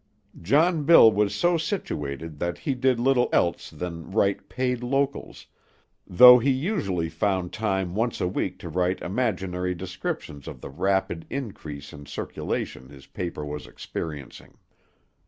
John Bill was so situated that he did little else than write paid locals, though he usually found time once a week to write imaginary descriptions of the rapid increase in circulation his paper was experiencing.